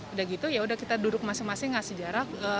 udah gitu yaudah kita duduk masing masing ngasih jarak